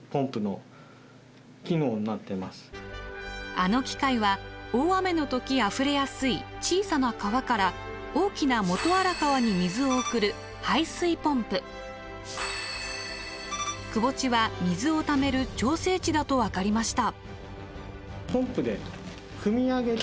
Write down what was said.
あの機械は大雨の時あふれやすい小さな川から大きな元荒川に水を送る窪地は水をためる調整池だと分かりました。